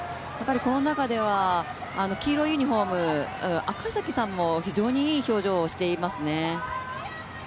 この中では黄色いユニフォーム、九電工の赤崎さんも非常にいい表情をしていますね。